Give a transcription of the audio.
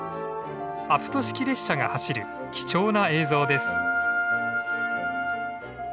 アプト式列車が走る貴重な映像です。